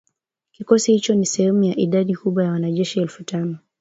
Kikosi hicho ni sehemu ya idadi kubwa ya wanajeshi elfu tano